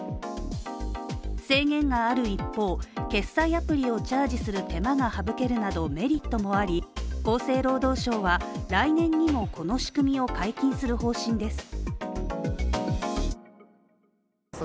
制限がある一方、決済アプリをチャージする手間が省けるなどメリットもあり、厚生労働省は来年にもこの仕組みを解禁する方針です。